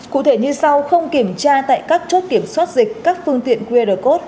cụ thể như sau không kiểm tra tại các chốt kiểm soát dịch các phương tiện qr code